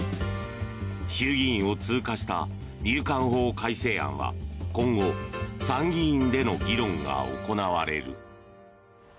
衆議院を通過した入管法改正案は今後参議院での議論が行われる。